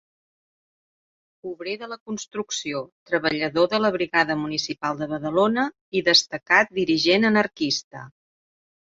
Obrer de la construcció, treballador de la brigada municipal de Badalona, i destacat dirigent anarquista.